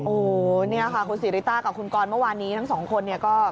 โอ้โฮนี่ค่ะคุณศรีริตรากับคุณกรมาวานนี้ทั้งสองคน